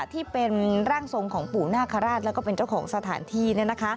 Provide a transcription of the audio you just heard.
ที่เป็นร่างทรงของปู่นาคาราชแล้วก็เป็นเจ้าของสถานที่